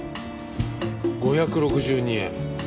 ５６２円。